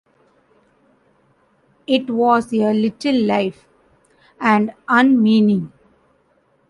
It was a little life — and unmeaning.